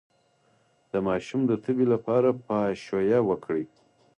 د ماشوم د تبې لپاره پاشویه وکړئ